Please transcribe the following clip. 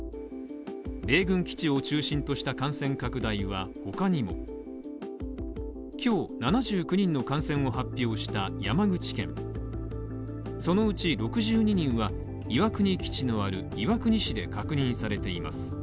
米軍基地を中心とした感染拡大は他にも、今日７９人の感染を発表した山口県そのうち６２人は岩国基地のある岩国市で確認されています。